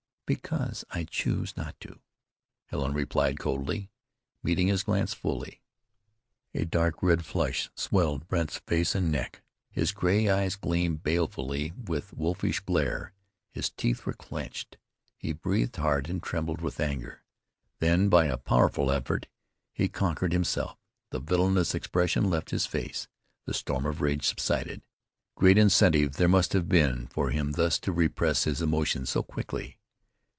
"Because I choose not to," Helen replied coldly, meeting his glance fully. A dark red flush swelled Brandt's face and neck; his gray eyes gleamed balefully with wolfish glare; his teeth were clenched. He breathed hard and trembled with anger. Then, by a powerful effort, he conquered himself; the villainous expression left his face; the storm of rage subsided. Great incentive there must have been for him thus to repress his emotions so quickly.